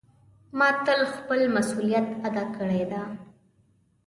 ما تل خپل مسؤلیت ادا کړی ده.